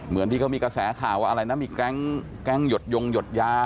เหมือนที่เขามีกระแสข่าวว่าอะไรนะมีแก๊งหยดยงหยดยา